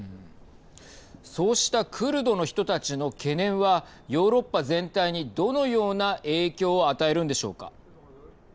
そうしたクルドの人たちの懸念はヨーロッパ全体にどのような影響をはい。